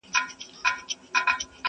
زېری د خزان یم له بهار سره مي نه لګي؛؛!